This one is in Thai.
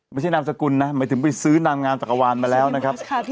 ไม่ใช่นามสกุลนะหมายถึงไปซื้อนางงามจักรวาลมาแล้วนะครับ